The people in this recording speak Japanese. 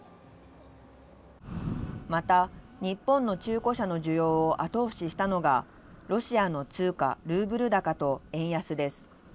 また、日本の中古車の需要を後押ししたのがロシアの通貨ルーブル高と円安です。